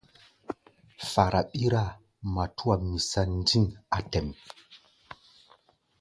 Fara ɓíráa, matúa misa ndîŋ á tɛ̌ʼm.